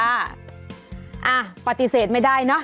อ่ะปฏิเสธไม่ได้เนอะ